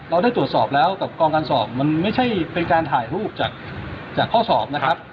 เราได้ตรวจสอบแล้วกับกองการสอบมันไม่ใช่เป็นการถ่ายรูปจากข้อสอบนะครับ